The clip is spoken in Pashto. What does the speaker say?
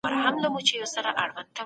زکات د ټولني د سوکالۍ راز دی.